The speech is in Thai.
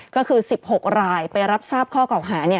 ก็คือ๑๖รายไปรับทราบข้อเกาะหาเนี่ย